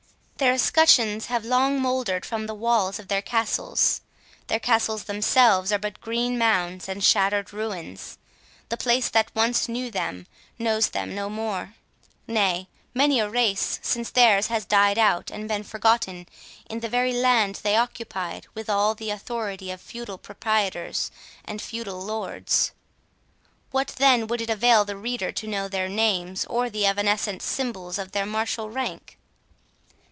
17 Their escutcheons have long mouldered from the walls of their castles. Their castles themselves are but green mounds and shattered ruins—the place that once knew them, knows them no more—nay, many a race since theirs has died out and been forgotten in the very land which they occupied, with all the authority of feudal proprietors and feudal lords. What, then, would it avail the reader to know their names, or the evanescent symbols of their martial rank!